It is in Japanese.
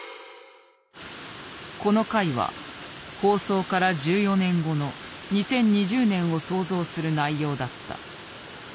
この回は放送から１４年後の２０２０年を想像する内容だった。